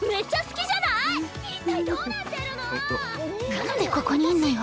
なんでここにいんのよ？